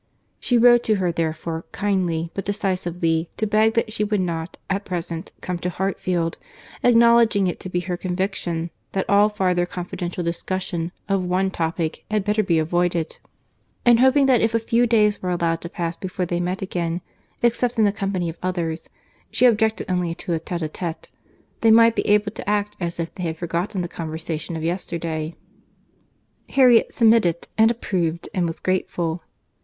—She wrote to her, therefore, kindly, but decisively, to beg that she would not, at present, come to Hartfield; acknowledging it to be her conviction, that all farther confidential discussion of one topic had better be avoided; and hoping, that if a few days were allowed to pass before they met again, except in the company of others—she objected only to a tête à tête—they might be able to act as if they had forgotten the conversation of yesterday.—Harriet submitted, and approved, and was grateful.